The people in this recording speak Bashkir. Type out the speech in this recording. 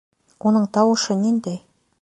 Уның тауышы ниндәй?